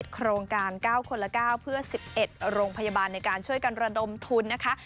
โครงการ๙คนละ๙เพื่อ๑๑โรงพยาบาลในการช่วยกันระดมทุนนะคะ